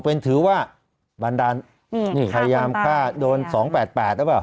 เป็นถือว่าบันดันนี่พยายามฆ่าโดนสองแปดแปดแล้วเปล่า